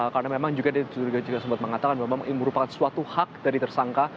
karena memang juga dia juga sempat mengatakan memang ini merupakan suatu hak dari tersangka